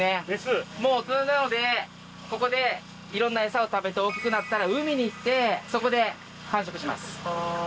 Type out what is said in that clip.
もう大人なのでここでいろんなエサを食べて大きくなったら海に行ってそこで繁殖します。